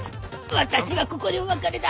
私はここでお別れだ。